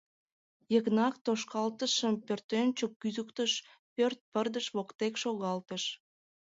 Йыгнат тошкалтышым пӧртӧнчык кӱзыктыш, пӧрт пырдыж воктек шогалтыш.